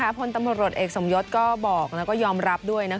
พลตำรวจเอกสมยศก็บอกแล้วก็ยอมรับด้วย